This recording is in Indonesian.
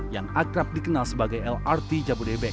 yang akrab dikenal sebagai lrt jabodebek